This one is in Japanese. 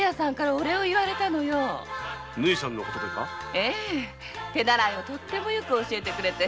ええ手習いをよく教えてくれて。